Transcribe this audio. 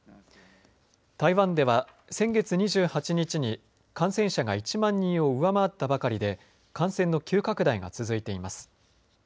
台湾では、先月２８日に感染者が１万人を上回ったばかりで感染の急拡大が続いています。